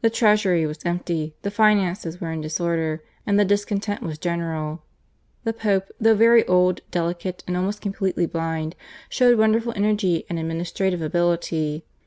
The treasury was empty, the finances were in disorder, and the discontent was general. The Pope, though very old, delicate, and almost completely blind, showed wonderful energy and administrative ability.